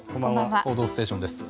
「報道ステーション」です。